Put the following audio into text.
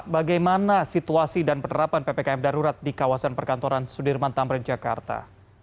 bagaimana situasi dan penerapan ppkm darurat di kawasan perkantoran sudirman tamrin jakarta